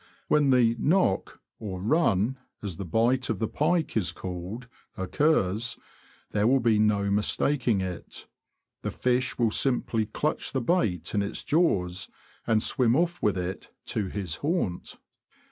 When the ''knock," or ''run," as the bite of the pike is called, occurs, there will be no mistaking it; the fish will simply clutch the bait in his jaws, and swim off with it to his haunt.